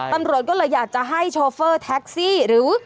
ตำรวจก็เลยอยากจะให้โชเฟอร์แท็กซี่หรือ